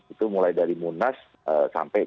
itu mulai dari munas sampai